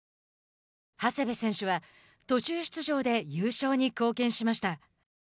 長谷部選手は途中出場で優勝に貢献しました。